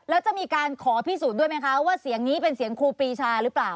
แล้วจะมีการขอพิสูจน์ด้วยไหมคะว่าเสียงนี้เป็นเสียงครูปีชาหรือเปล่า